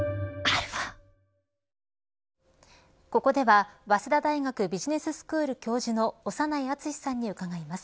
ここでは早稲田大学ビジネススクール教授の長内厚さんに伺います。